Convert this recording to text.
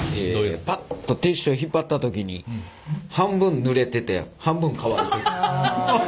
パッとティッシュを引っ張った時に半分ぬれてて半分乾いてる。